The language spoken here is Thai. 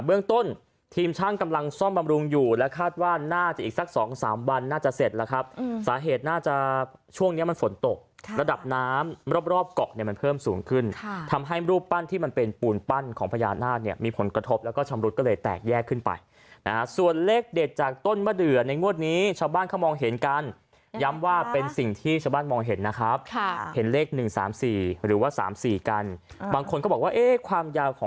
เบื้องต้นทีมช่างกำลังซ่อมบำรุงอยู่แล้วคาดว่าน่าจะอีกสัก๒๓วันน่าจะเสร็จแล้วครับสาเหตุน่าจะช่วงนี้มันฝนตกระดับน้ำรอบเกาะมันเพิ่มสูงขึ้นทำให้รูปปั้นที่มันเป็นปูนปั้นของพญานาคมีผลกระทบแล้วก็ชำรุดก็เลยแตกแยกขึ้นไปนะฮะส่วนเลขเด็ดจากต้นเมื่อเดือนในงวดนี้ชาวบ้านเขาม